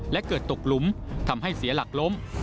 และเกิดตกหลุมทำให้เสียหลักล้ม